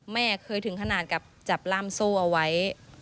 แม่เคยถึงขนาดกับจับล่ามโซ่เอาไว้